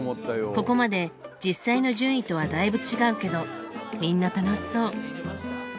ここまで実際の順位とはだいぶ違うけどみんな楽しそう。